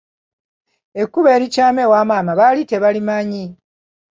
Ekkubo erikyama ewa maama baali tebalimanyi.